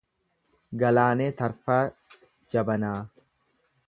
Galaanee Tarfaa Jabanaa